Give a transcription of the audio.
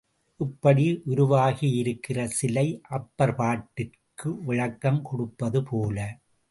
இப்படி உருவாகியிருக்கிறது சிலை, அப்பர் பாட்டிற்கு விளக்கம் கொடுப்பதுபோல.